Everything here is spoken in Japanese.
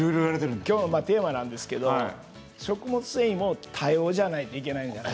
今日のテーマなんですけど食物繊維も多様じゃないといけないんですね。